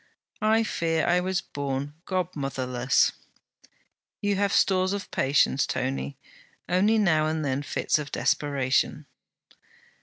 'I fear I was born godmotherless.' 'You have stores of patience, Tony; only now and then fits of desperation.'